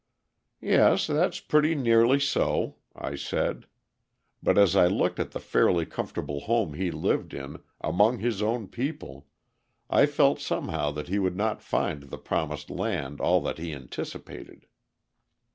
"Yes, that's pretty nearly so," I said but as I looked at the fairly comfortable home he lived in, among his own people, I felt somehow that he would not find the promised land all that he anticipated.